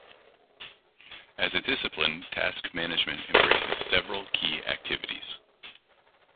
As a discipline, task management embraces several key activities.